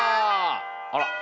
あら。